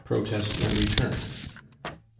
c. protest and return_ .....